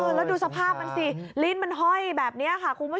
แล้วดูสภาพมันสิลิ้นมันห้อยแบบนี้ค่ะคุณผู้ชม